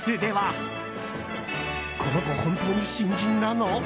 この子、本当に新人なの？